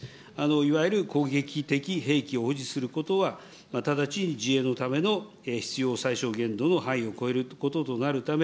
いわゆる攻撃的兵器を保持することは、直ちに自衛のための必要最小限度の範囲を超えることとなるため、